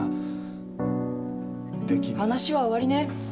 話は終わりね。